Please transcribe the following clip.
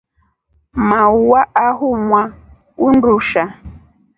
Maua ahumwaa undusha.